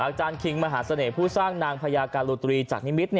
อาจารย์คิงมหาเสน่ห์ผู้สร้างนางพญาการุตรีจากนิมิตร